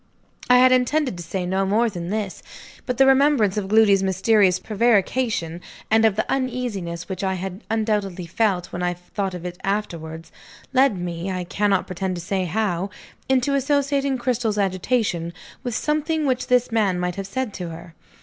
I had intended to say no more than this. But the remembrance of Gloody's mysterious prevarication, and of the uneasiness which I had undoubtedly felt when I thought of it afterwards, led me (I cannot pretend to say how) into associating Cristel's agitation with something which this man might have said to her.